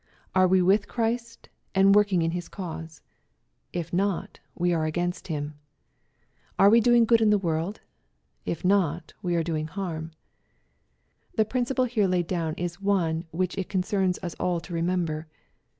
Are we with Christ, and working in His cause ? If not, we are against MATTHEW, CHAP. XH, 181 Him. Are we doing good in the world ? If not, we are doing harm. The principle here laid down is one which it concerns as all to remember.